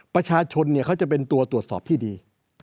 ประชาชนเขาจะเป็นตัวตรวจสอบที่ดี